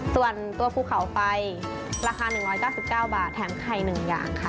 ส่วนตัวภูเขาไฟราคา๑๙๙บาทแถมไข่หนึ่งอย่างค่ะ